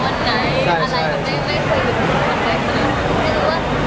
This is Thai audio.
ไม่ได้เจอในคุณหรอก